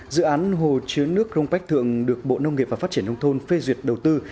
dự án hồ chứa nước cronpac thượng được bộ nông nghiệp và phát triển nông thôn phê duyệt đầu tư